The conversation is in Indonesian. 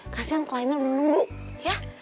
kasian kliennya udah nunggu ya